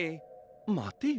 まてよ。